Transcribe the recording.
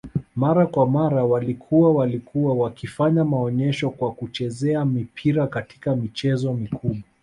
mara kwa mara walikua walikua wakifanya maonyesho kwa kuchezea mipira katika michezo mikubwa